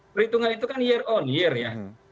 perhitungan itu kan year on year ya